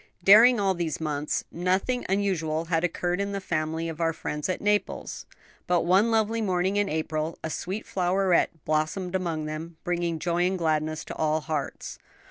Daring all these months nothing unusual had occurred in the family of our friends at Naples; but one lovely morning in April a sweet floweret blossomed among them; bringing joy and gladness to all hearts.